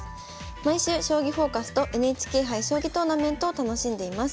「毎週『将棋フォーカス』と『ＮＨＫ杯将棋トーナメント』を楽しんでいます。